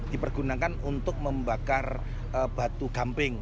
dipergunakan untuk membakar batu gamping